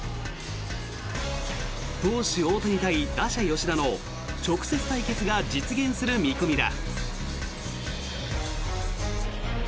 投手・大谷対打者・吉田の直接対決が実現する見込みだ。